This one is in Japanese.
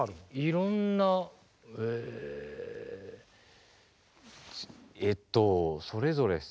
いろんなえっとそれぞれっすね。